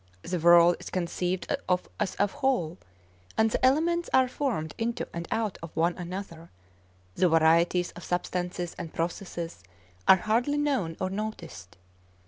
The world is conceived of as a whole, and the elements are formed into and out of one another; the varieties of substances and processes are hardly known or noticed.